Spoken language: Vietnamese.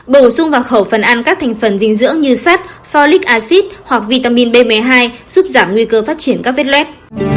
bổ sung vào khẩu phần ăn các thành phần dinh dưỡng như sắt forlic acid hoặc vitamin b một mươi hai giúp giảm nguy cơ phát triển các vết lép